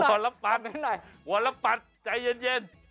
คุณหว่าละปัดหว่าละปัดใจเย็น